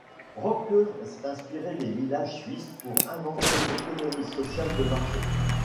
Röpke s'est inspiré des villages suisses pour inventer l'économie sociale de marché.